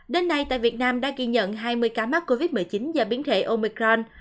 đến nay tại việt nam đã ghi nhận hai mươi ca mắc covid một mươi chín do biến thể omicron